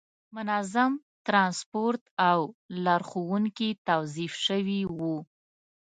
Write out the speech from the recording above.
منظم ترانسپورت او لارښوونکي توظیف شوي وو.